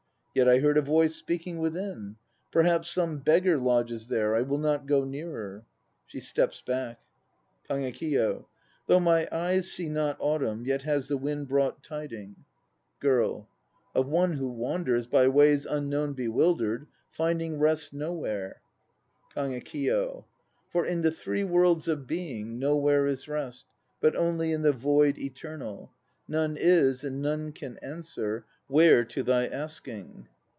Yet I heard a voice speaking within. Perhaps some beggar lodges there; I will not go nearer. (She steps back.) KAGEKIYO. Though my eyes see not autumn Yet has the wind brought tiding iThe Capital. KAGEKIYO 91 GIRL. Of one who wanders By ways unknown bewildered, Finding rest nowhere KAGEKIYO. For in the Three Worlds of Being Nowhere is rest, 1 but only In the Void Eternal. None is, and none can answer Where to thy asking.